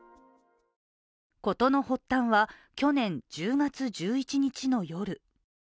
事の発端は、去年１０月１１日の夜。